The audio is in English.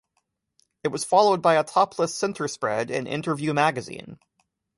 It was followed by a topless centerspread in "Interview" magazine.